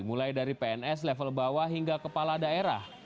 mulai dari pns level bawah hingga kepala daerah